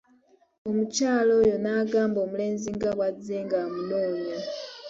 Omukyala oyo n'agamba omulenzi nga bwazze ng'amunoonya.